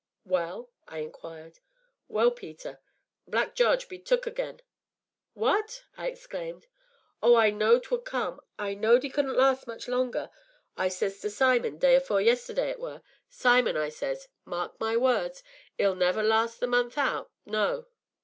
"Well?" I inquired. "Well, Peter, Black Jarge be 'took' again." "What?" I exclaimed. "Oh! I knowed 'twould come I knowed 'e couldn't last much longer. I says to Simon, day afore yesterday it were, 'Simon,' I says, 'mark my words, 'e'll never last the month out no.'"